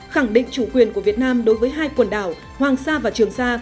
khẳng định chủ quyền của việt nam đối với hai quần đảo hoàng sa và trường sa